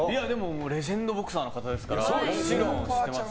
レジェンドボクサーの方ですから、もちろん知ってます。